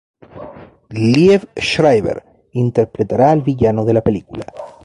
Liev Schreiber interpretará a el villano en la película.